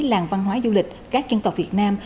làng văn hóa du lịch các dân tộc việt nam